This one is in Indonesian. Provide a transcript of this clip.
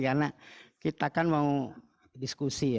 karena kita kan mau diskusi ya